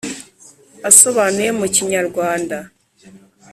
asobanuye mu kinyarwanda,